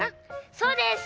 そうです。